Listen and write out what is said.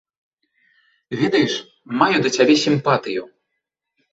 Ведаеш, маю да цябе сімпатыю.